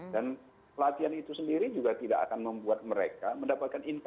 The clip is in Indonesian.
dan pelatihan itu sendiri juga tidak akan membuat mereka mendapatkan insentif